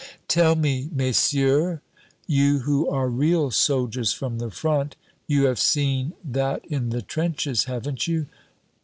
"Tell me, messieurs, you who are real soldiers from the front, you have seen that in the trenches, haven't you?"